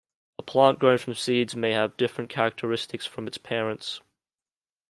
A plant grown from seeds may have different characteristics from its parents.